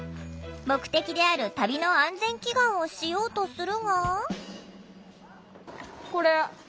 目的である旅の安全祈願をしようとするが。